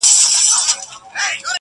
o باغ که باغوان لري، چغال بيا خداى لري٫